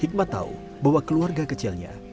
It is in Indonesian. hikmat tahu bahwa keluarga kecilnya